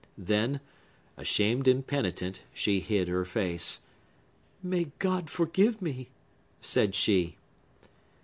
Then, ashamed and penitent, she hid her face. "May God forgive me!" said she.